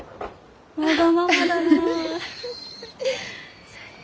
わがままだなあ。